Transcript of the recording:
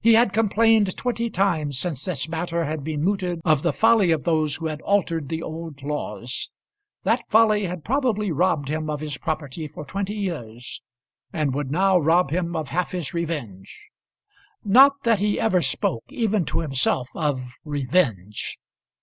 He had complained twenty times since this matter had been mooted of the folly of those who had altered the old laws. That folly had probably robbed him of his property for twenty years, and would now rob him of half his revenge. Not that he ever spoke even to himself of revenge.